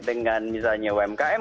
dengan misalnya umkm